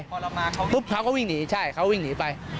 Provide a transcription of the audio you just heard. พอเรามาเขาปุ๊บเขาก็วิ่งหนีใช่เขาวิ่งหนีไป